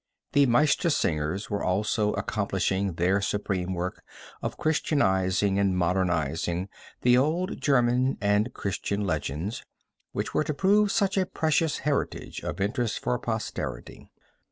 The Meistersingers also were accomplishing their supreme work of Christianizing and modernizing the old German and Christian legends which were to prove such a precious heritage of interest for posterity.